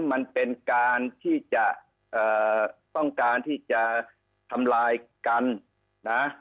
มันเป็นการที่จะต้องการที่จะทำลายกันนะ